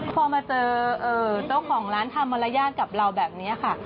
พอมาเจอเจ้าของร้านทำมารยาทกับเราแบบนี้ค่ะ